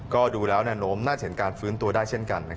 ก็ดูแล้วแนวโน้มน่าจะเห็นการฟื้นตัวได้เช่นกัน